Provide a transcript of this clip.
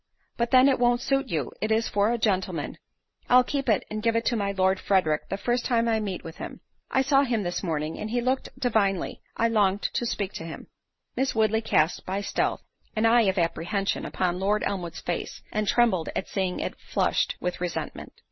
But then it won't suit you—it is for a gentleman. I'll keep it and give it to my Lord Frederick the first time I meet with him. I saw him this morning, and he looked divinely—I longed to speak to him." Miss Woodley cast, by stealth, an eye of apprehension upon Lord Elmwood's face, and trembled at seeing it flushed with resentment.